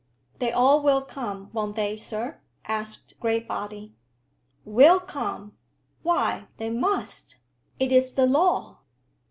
"They all will come; won't they, sir?" asked Graybody. "Will come! Why, they must. It is the law."